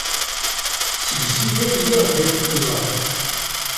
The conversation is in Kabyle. Seg zik ay lliɣ bɣiɣ ad kem-ẓreɣ.